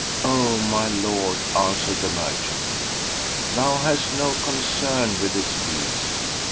"O my Lord," answered the merchant, "thou hast no concern with this piece."